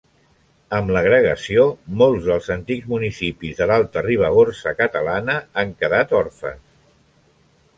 Amb l'agregació, molts dels antics municipis de l'Alta Ribagorça catalana han quedat orfes.